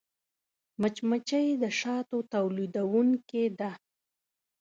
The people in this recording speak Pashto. مچمچۍ د شاتو تولیدوونکې ده